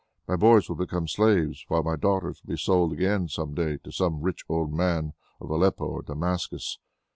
My boys will become slaves, while my daughters will be sold again some day to some rich old man of Aleppo or Damascus.